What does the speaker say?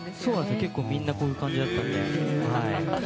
結構、みんなこういう感じだったんで。